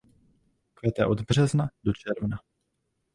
Kvete od března do června.